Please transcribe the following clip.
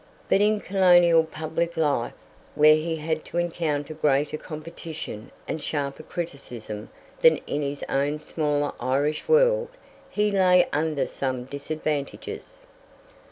But in colonial public life, where he had to encounter greater competition and sharper criticism than in his own smaller Irish world, he lay under some disadvantages.